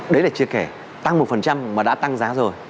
đấy là chưa kể tăng một mà đã tăng giá rồi